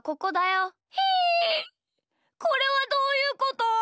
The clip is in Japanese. これはどういうこと？